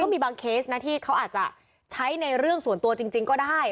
มีบางเคสนะที่เขาอาจจะใช้ในเรื่องส่วนตัวจริงก็ได้